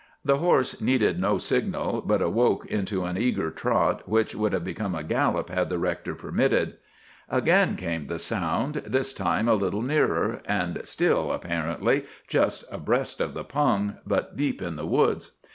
"The horse needed no signal, but awoke into an eager trot, which would have become a gallop had the rector permitted. "Again came the sound, this time a little nearer, and still, apparently, just abreast of the pung, but deep in the woods.